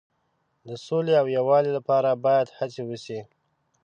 د سولې او یووالي لپاره باید هڅې وشي.